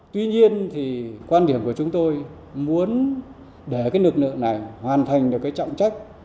tuy nhiên quan điểm của chúng tôi muốn để nực lượng này hoàn thành được trọng trách